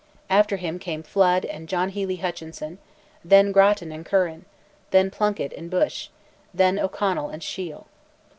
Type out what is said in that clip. After him came Flood and John Hely Hutchinson; then Grattan and Curran; then Plunkett and Bushe; then O'Connell and Shiel.